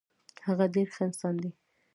هغه ډیر ښه انسان دی.